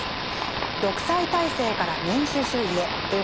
「独裁体制から民主主義へ」という本です。